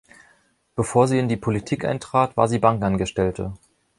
Bevor sie in die Politik eintrat, war sie Bankangestellte.